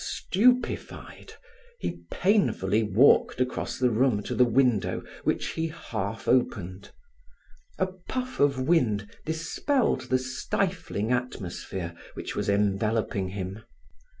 Stupefied, he painfully walked across the room to the window which he half opened. A puff of wind dispelled the stifling atmosphere which was enveloping him.